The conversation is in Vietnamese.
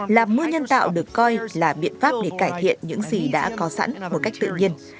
là mưa nhân tạo được coi là biện pháp để cải thiện những gì đã có sẵn một cách tự nhiên